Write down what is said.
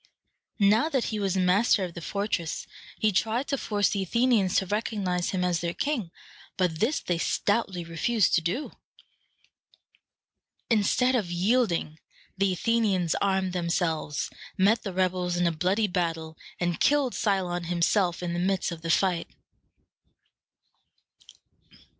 Now that he was master of the fortress, he tried to force the Athenians to recognize him as their king, but this they stoutly refused to do. Instead of yielding, the Athenians armed themselves, met the rebels in a bloody battle, and killed Cylon himself in the midst of the fight.